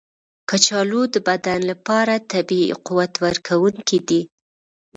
کچالو د بدن لپاره طبیعي قوت ورکونکی دی.